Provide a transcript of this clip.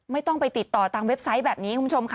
ไม่ต้องไปติดต่อตามเว็บไซต์แบบนี้คุณผู้ชมค่ะ